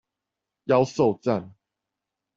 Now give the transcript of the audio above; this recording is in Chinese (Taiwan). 妖受讚